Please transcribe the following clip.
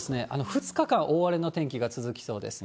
２日間、大荒れの天気が続きそうです。